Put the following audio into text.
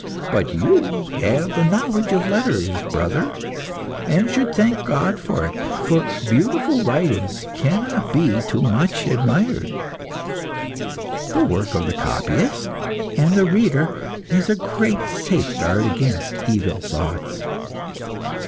But you have the knowledge of letters, brother, and should thank God for it, for beautiful writing cannot be too much admired. The work of the copyist and the reader is a great safeguard against evil thoughts.